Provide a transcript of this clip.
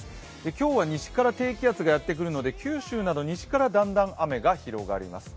今日は西から低気圧がやってくるので、九州など西からだんだん雲が広がってきます。